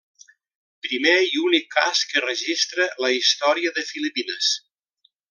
Primer i únic cas que registra la història de Filipines.